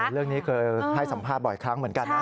เรื่องนี้เคยให้สัมภาษณ์บ่อยครั้งเหมือนกันนะ